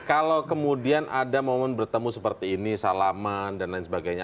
kalau kemudian ada momen bertemu seperti ini salaman dan lain sebagainya